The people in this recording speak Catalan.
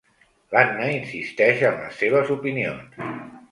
L'Anna insisteix en les seves opinions.